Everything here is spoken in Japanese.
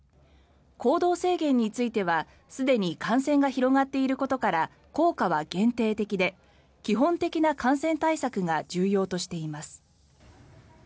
行動制限についてはすでに感染が広がっていることから効果は限定的で基本的な感染対策が重要としています。